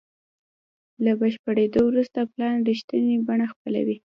له بشپړېدو وروسته پلان رښتینې بڼه خپلوي.